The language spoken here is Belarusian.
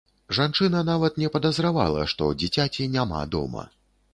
Жанчына нават не падазравала, што дзіцяці няма дома.